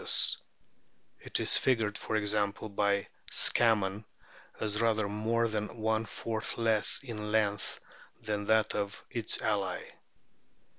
136 A SO OK OF WHALES t It is figured, for example, by Scammon as rather more than one fourth less in length than that of its ally.